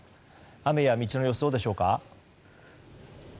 雨や道の様子、どうでしょうか。